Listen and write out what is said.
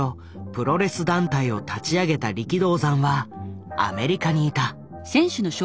プロレス団体を立ち上げた力道山はアメリカにいた。